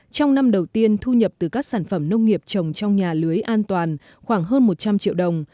trong năm đầu tiên thu nhập từ các sản phẩm nông nghiệp trồng trong nhà lưới an toàn khoảng hơn một trăm linh triệu đồng